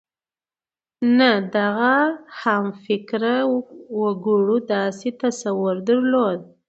نه د هغه همفکره وګړو داسې تصور درلود.